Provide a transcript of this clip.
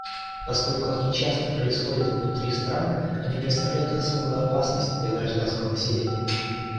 Поскольку они часто происходят внутри стран, они представляют особую опасность для гражданского населения.